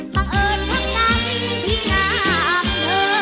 ปังเอิญเพิ่มได้ที่นามเธอ